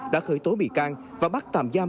đã khởi tố bị can và bắt tạm giam